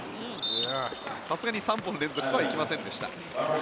さすがに３本連続とはいきませんでした。